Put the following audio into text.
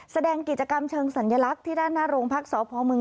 แสดงกิจกรรมเชิงสัญลักษณ์ที่ด้านหน้าโรงพักษพม